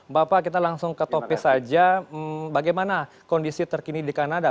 bapak kita langsung ke topi saja bagaimana kondisi terkini di kanada